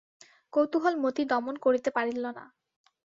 কৌতূহল মতি দমন করিতে পারিল না।